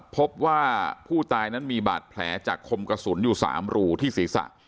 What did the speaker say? พบว่าผู้ตายนั้นมีบาดแผลจากคมกระสุนอยู่๓รูที่ศีรษะ